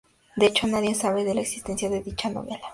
De hecho, nadie sabe de la existencia de dicha novela.